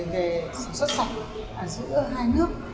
để sản xuất sạch giữa hai nước